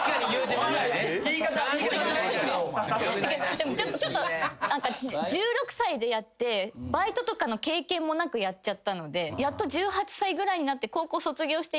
でもちょっと１６歳でやってバイトとかの経験もなくやっちゃったのでやっと１８歳ぐらいになって高校卒業して。